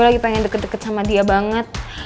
lagi pengen deket deket sama dia banget